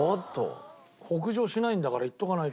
北上しないんだからいっとかないと。